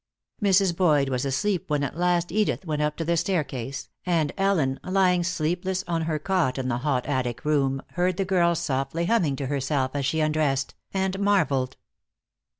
Mrs. Boyd was asleep when at last Edith went up the staircase, and Ellen, lying sleepless on her cot in the hot attic room, heard the girl softly humming to herself as she undressed, and marveled.